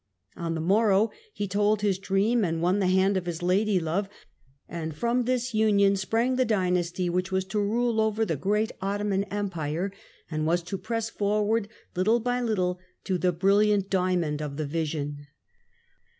On the morrow he told his dream and won the hand of his ladylove, and from this union sprang the dynasty which was to rule over the great Ottoman Empire, and was to press forward, little by Httle, to the brilliant diamond of the vision.